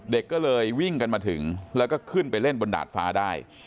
เด็กก็เลยวิ่งกันมาถึงแล้วก็ขึ้นไปเล่นบนดาดฟ้าได้